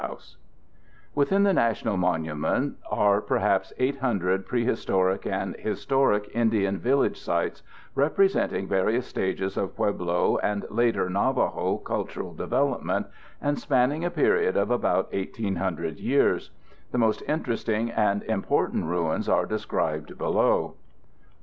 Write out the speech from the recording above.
] The Principal Ruins Within the national monument are perhaps 800 prehistoric and historic Indian village sites, representing various stages of Pueblo and later Navajo cultural development and spanning a period of about 1,800 years. The most interesting and important ruins are described below.